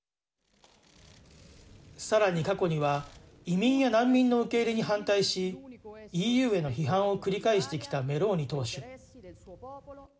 さらに過去には移民や難民の受け入れに反対しＥＵへの批判を繰り返してきたメローニ党首。